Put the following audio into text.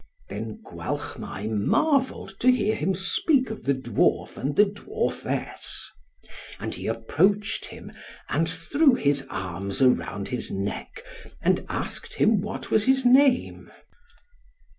Then Gwalchmai marvelled to hear him speak of the dwarf and the dwarfess; and he approached him, and threw his arms around his neck, and asked him what was his name.